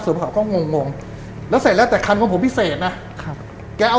ส่วนเขาก็งงงแล้วเสร็จแล้วแต่คันของผมพิเศษนะครับแกเอา